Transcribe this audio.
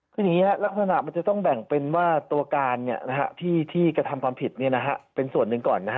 คืออย่างนี้ลักษณะมันจะต้องแบ่งเป็นว่าตัวการที่กระทำความผิดเป็นส่วนหนึ่งก่อน